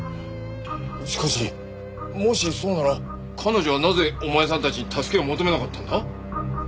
しかしもしそうなら彼女はなぜお前さんたちに助けを求めなかったんだ？